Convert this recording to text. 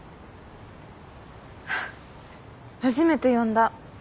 初めて呼んだ。